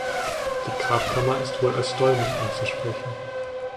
Die Grabkammer ist wohl als Dolmen anzusprechen.